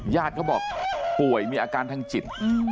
ญาติเขาบอกป่วยมีอาการทางจิต